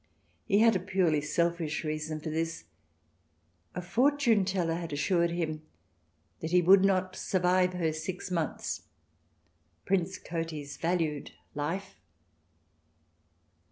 He had a purely selfish reason for this ; a fortune teller had assured him that he would not survive her six months. Prince Cotys valued life.